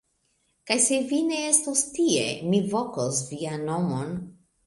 Kaj se vi ne estos tie, mi vokos vian nomon!